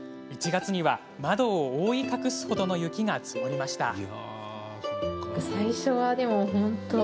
１月には、窓を覆い隠すほどの雪が積もりました。